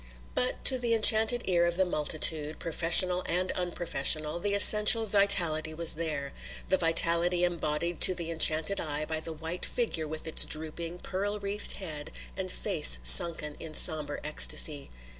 But to the enchanted ear of the multitude, professional and unprofessional, the essential vitality was there, the vitality embodied to the enchanted eye by the white figure with its drooping, pearl wreathed head and face sunken in sombre ecstasy.